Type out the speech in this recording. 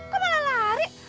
kau malah lari